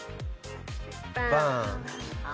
バーン。